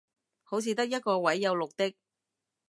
好似得一個位有綠的